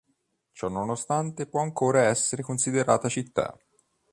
Ciò nonostante può ancora essere considerata città.